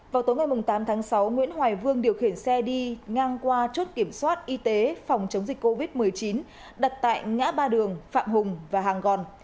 vào tối ngày tám tháng sáu nguyễn hoài vương điều khiển xe đi ngang qua chốt kiểm soát y tế phòng chống dịch covid một mươi chín đặt tại ngã ba đường phạm hùng và hàng gòn